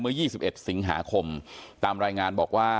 เมื่อยี่สิบเอ็ดสิงหาคมตามรายงานบอกว่า